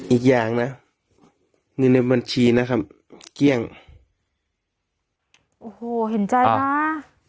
อีกอย่างนะเงินในบัญชีนะครับเกลี้ยงโอ้โหเห็นใจนะ